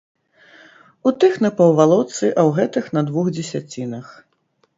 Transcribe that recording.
У тых на паўвалоцы, а ў гэтых на двух дзесяцінах.